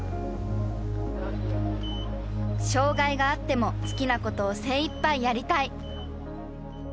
障害があっても好きなことを精いっぱいやりたい！